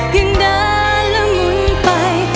ยังเดินละมุนไป